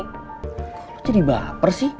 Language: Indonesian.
kok lo jadi baper sih